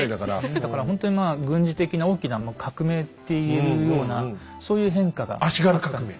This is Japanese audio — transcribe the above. だからほんとにまあ軍事的な大きな革命っていうようなそういう変化があったんです。